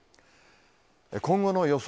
今後の予想